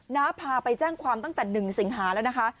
น้าพาไปแจ้งความตั้งแต่๑สิงหาแล้วนะคะ